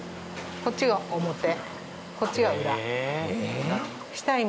こっちが表で。